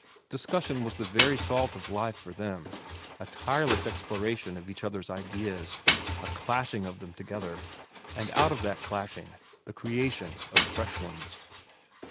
Discussion was the very salt of life for them, a tireless exploration of each other's ideas, a clashing of them together, and out of that clashing the creation of fresh ones.